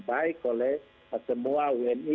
baik oleh semua wni